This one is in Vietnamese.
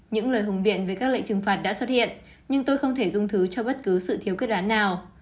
những lời hùng biện về các lệnh trừng phạt đã xuất hiện nhưng tôi không thể dung thứ cho bất cứ sự thiếu kết án nào